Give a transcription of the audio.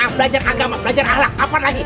belajar agama belajar ahlak kapan lagi